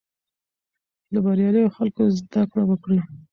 له بریالیو خلکو زده کړه وکړئ.